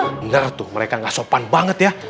benar tuh mereka gak sopan banget ya